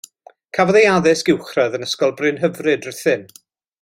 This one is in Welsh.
Cafodd ei addysg uwchradd yn Ysgol Brynhyfryd, Rhuthun.